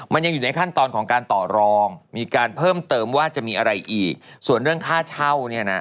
มันยังอยู่ในขั้นตอนของการต่อรองมีการเพิ่มเติมว่าจะมีอะไรอีกส่วนเรื่องค่าเช่าเนี่ยนะ